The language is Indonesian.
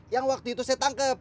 yang waktu itu saya tangkap